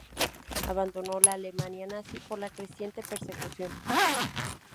Abandonó la Alemania nazi por la creciente persecución.